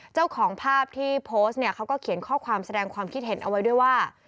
เจ้าของภาพที่โพสต์เนี่ยเขาก็เขียนข้อความแสดงความคิดเห็นเอาไว้ด้วยว่า